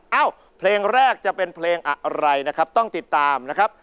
เอ้าเพลงแรกจะเป็นเพลงอะไรนะครับต้องติดตามนะครับ